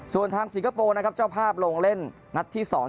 ส่วนทางสิงคโปร์นะครับเจ้าภาพลงเล่นนัดที่๒